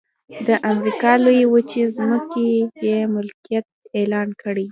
د امریکا لویې وچې ځمکې یې ملکیت اعلان کړې.